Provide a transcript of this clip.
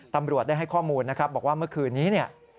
ตำรวจได้ให้ข้อมูลบอกว่าเมื่อคืนนี้